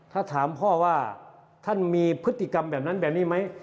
ถ้าถามพ่อว่าท่านมีพฤติกรรมแบบนั้นแบบนี้ไหม